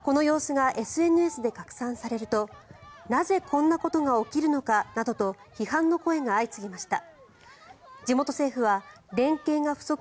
この様子がＳＮＳで拡散されるとなぜこんなことが起きるのかなどと批判の声が相次ぎました。